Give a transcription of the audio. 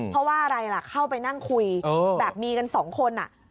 เพราะว่าอะไรล่ะเข้าไปนั่งคุยแบบมีกันสองคน